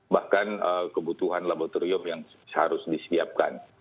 bahkan kebutuhan laboratorium yang harus disiapkan